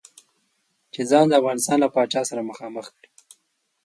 چې ځان د افغانستان له پاچا سره مخامخ کړي.